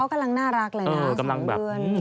เขากำลังน่ารักเลยนะ๒เดือน